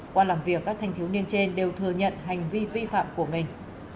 qua làm việc các thanh thiếu niên trên đều thừa nhận hành vi vi phạm của mình